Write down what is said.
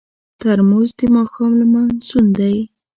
ترموز د ماښام لمسون یاد دی.